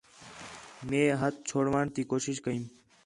مئے ہتھ چُھڑاوݨ تی کوشش کیئم